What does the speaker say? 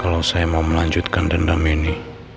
kalau saya mau melanjutkan dendam ini